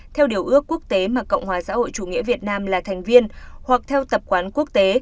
theo điều ước quốc tế mà cộng hòa xã hội chủ nghĩa việt nam là thành viên hoặc theo tập quán quốc tế